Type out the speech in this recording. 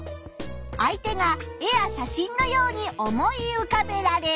相手が絵や写真のように思い浮かべられる。